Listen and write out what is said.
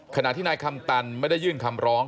ขณะที่นายคำตันไม่ได้ยื่นคำร้อง